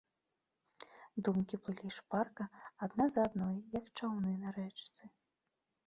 Думкі плылі шпарка адна за адной, як чаўны на рэчцы.